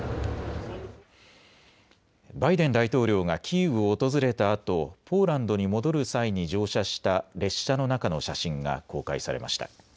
バイデン大統領がキーウを訪れたあとポーランドに戻る際に乗車した列車の中の写真が公開されました。